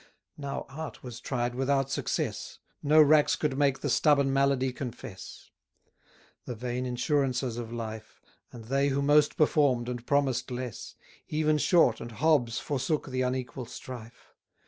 Now art was tried without success, No racks could make the stubborn malady confess. The vain insurancers of life, And they who most perform'd and promised less, Even Short and Hobbes forsook the unequal strife.